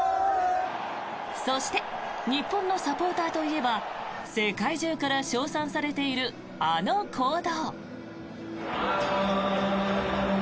そして日本のサポーターといえば世界中から称賛されているあの行動。